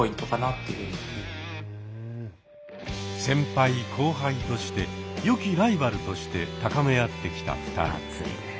先輩・後輩としてよきライバルとして高め合ってきた２人。